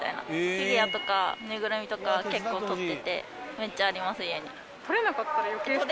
フィギュアとか縫いぐるみとか取っててめっちゃあります家に。